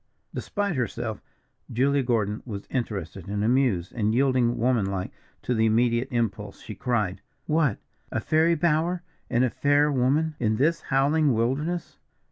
Despite herself, Julia Gordon was interested and amused, and yielding, womanlike to the immediate impulse, she cried: "What! a fairy bower, and a fair woman, in this howling wilderness?"